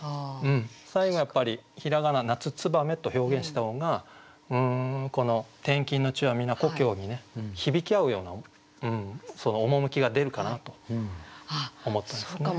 最後やっぱり平仮名「夏つばめ」と表現した方がこの「転勤の地はみな故郷」にね響き合うような趣が出るかなと思ったんですね。